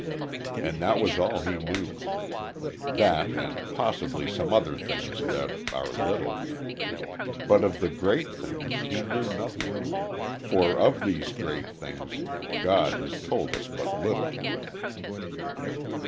And that was all he knew; that, and possibly some other things that are little. But of the great things, he knew nothing. For of these great things, God has told us but little.